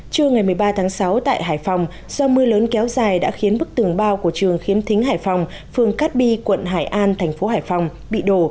trưa ngày một mươi ba tháng sáu tại hải phòng do mưa lớn kéo dài đã khiến bức tường bao của trường khiếm thính hải phòng phường cát bi quận hải an thành phố hải phòng bị đổ